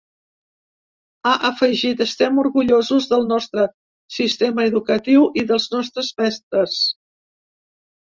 Ha afegit: ‘Estem orgullosos del nostre sistema educatiu i dels nostres mestres’.